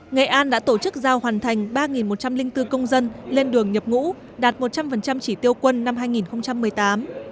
nghệ an đã tổ chức giao hoàn thành ba một trăm linh bốn công dân lên đường nhập ngũ đạt một trăm linh chỉ tiêu quân năm hai nghìn một mươi tám